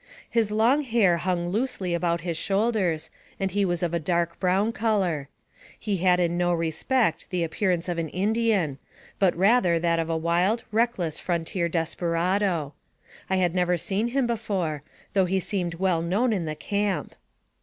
His long hair hung loosely about his shoulders, and was of a dark brown color. He had in no respect the appearance of an Indian, but rather that of a wild, reckless frontier desperado. I had never seen him be fore, though he seemed well known in the camp.